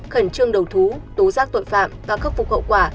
khẩn trương đầu thú tố giác tội phạm và khắc phục hậu quả